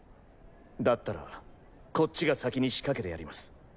だったらこっちが先に仕掛けてやります。